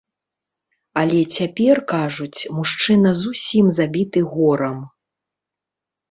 Але цяпер, кажуць, мужчына зусім забіты горам.